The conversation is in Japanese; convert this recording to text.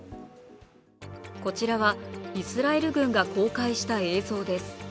こちらはイスラエル軍が公開した映像です。